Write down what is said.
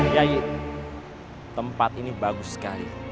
yayid tempat ini bagus sekali